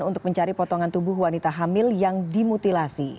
untuk mencari potongan tubuh wanita hamil yang dimutilasi